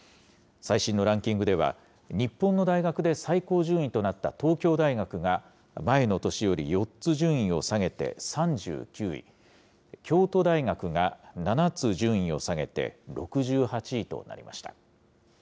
最新のランキングでは、日本の大学で最高順位となった東京大学が前の年より４つ順位を下げて３９位、京都大学が７つ順位を下げて６８位となりました。